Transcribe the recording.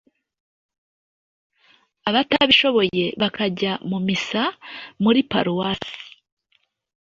abatabishoboye bakajya mu missa muri paruwasi